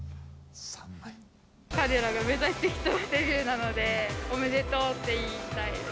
彼らが目指してきたデビューなので、おめでとうって言いたいです。